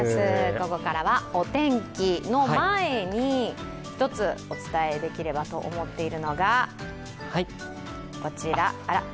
ここからはお天気の前に、一つお伝えできればと思っているのが、こちら。